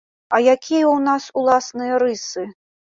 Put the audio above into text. А якія ў нас уласныя рысы?